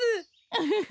ウフフ。